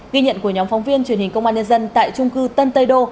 ghi nhận của nhóm phóng viên truyền hình công an nhân dân tại trung cư tân tây đô